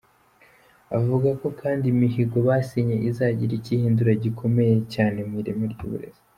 Avuga ko kandi imihigo basinye izagira icyo ihindura gikomeye cyane mu ireme ry’uburezi.